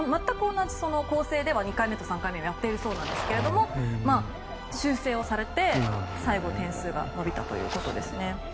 全く同じ構成では２回目と３回目やっているそうなんですが修正をされて最後点数が伸びたということですね。